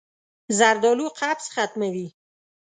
زردالو قبض ختموي.